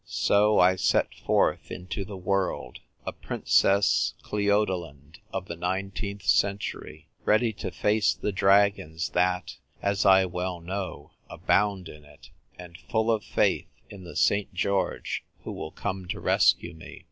So I set forth into the world, a Princess Cleodolind of the nineteenth century, ready to face the dragons that, as I well know, abound in it, and full of faith in the St. George who will come to rescue me.